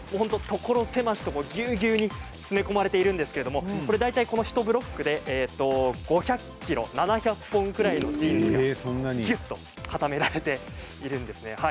所狭しと、ぎゅうぎゅうに詰め込まれているんですが大体１ブロックで５００ｋｇ７００本ぐらいのジーンズがぎゅっと固められているんですね。